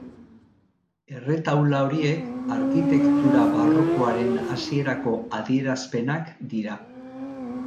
Erretaula horiek arkitektura barrokoaren hasierako adierazpenak dira.